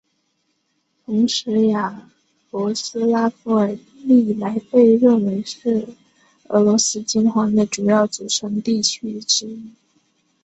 同时雅罗斯拉夫尔历来被认为是俄罗斯金环的主要组成地区之一。